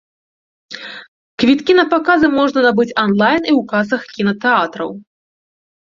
Квіткі на паказы можна набыць анлайн і ў касах кінатэатраў.